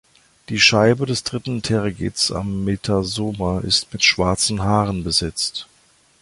Die Scheibe des dritten Tergits am Metasoma ist mit schwarzen Haaren besetzt.